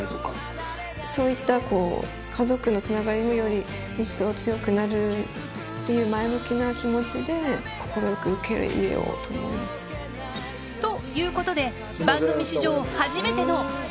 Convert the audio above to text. そういった家族のつながりもより一層強くなるっていう前向きな気持ちで、快く受け入れようとということで、番組史上初めての。